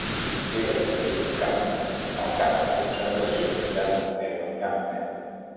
Era un subcamp al camp de concentració de Neuengamme.